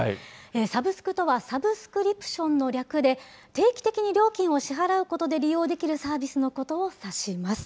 サブスクとは、サブスクリプションの略で、定期的に料金を支払うことで利用できるサービスのことを指します。